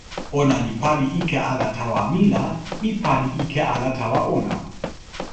ona li pali ike ala tawa mi la mi pali ike ala tawa ona.